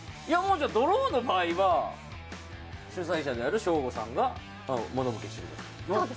ドローの場合は主催者であるショーゴさんが物ボケしてください。